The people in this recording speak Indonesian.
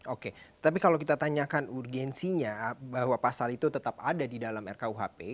oke tapi kalau kita tanyakan urgensinya bahwa pasal itu tetap ada di dalam rkuhp